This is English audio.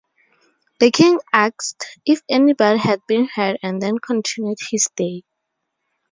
The king asked if anybody had been hurt and then continued his day.